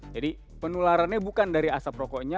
jadi penularannya bukan dari asap rokoknya